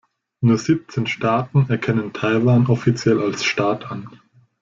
Nur siebzehn Staaten erkennen Taiwan offiziell als Staat an.